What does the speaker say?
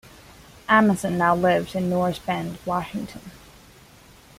Emerson now lives in North Bend, Washington.